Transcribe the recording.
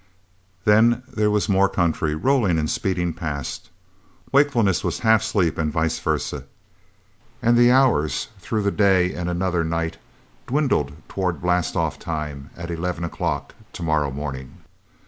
Then there was more country, rolling and speeding past. Wakefulness was half sleep, and vice versa. And the hours, through the day and another night, dwindled toward blastoff time, at eleven o'clock tomorrow morning.